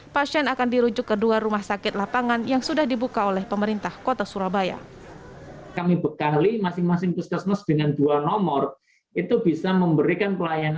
pasien akan dirujuk kedua rumah sakit lapangan yang sudah dibuka oleh pemerintah kota surabaya